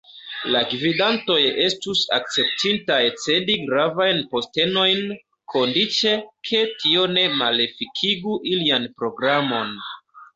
La gvidantoj estus akceptintaj cedi gravajn postenojn, kondiĉe ke tio ne malefikigu ilian programon.